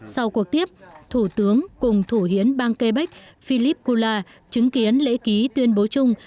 sau cuộc tiếp thủ tướng cùng thủ hiến bang kê bách philip goula chứng kiến lễ ký tuyên bố chung